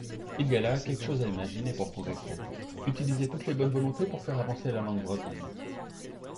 Il y a là quelque chose à imaginer pour progresser : utiliser toutes les bonnes volontés pour faire avancer la langue bretonne.